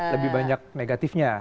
lebih banyak negatifnya